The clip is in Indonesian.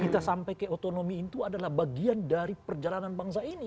kita sampai ke otonomi itu adalah bagian dari perjalanan bangsa ini